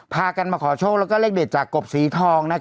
พากันมาขอโชคแล้วก็เลขเด็ดจากกบสีทอง